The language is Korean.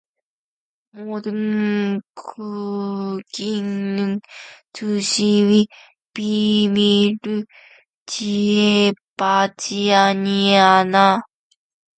모든 국민은 통신의 비밀을 침해받지 아니한다.